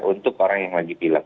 untuk orang yang lagi pilek